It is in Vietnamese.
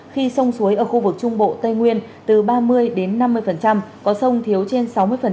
khi sông suối ở khu vực trung bộ tây nguyên từ ba mươi đến năm mươi có sông thiếu trên sáu mươi